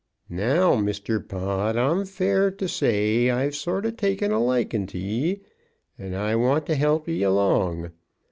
"Now, Mr. Pod, I'm fair t' say I've sort o' takin' a likin' to ye, and I want to help ye along.